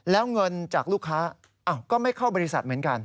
แล้วเงินจากลูกค้าก็ไม่เข้าบริษัทเหมือนกัน